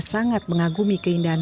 sangat mengagumi keindahan